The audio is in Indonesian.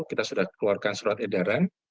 kita sudah keluarkan surat edaran